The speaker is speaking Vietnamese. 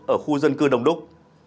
ở khu dân cư đồng đúc